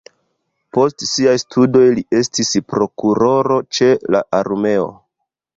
Post siaj studoj li estis prokuroro ĉe la armeo.